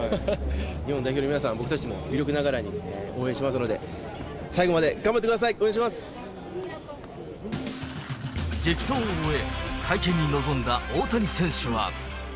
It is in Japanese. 日本代表の皆さん、僕たちも微力ながらに応援しますので、最後まで頑張ってください、激闘を終え、会見に臨んだ大谷選手は。